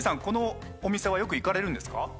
このお店はよく行かれるんですか？